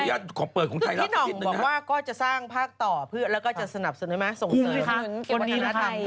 ห้ามเกร็ดท้านไปกันคุ้มมากเลยนะฮะ